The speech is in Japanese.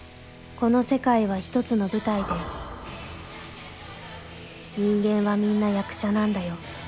「この世界は１つの舞台で人間はみんな役者なんだよ」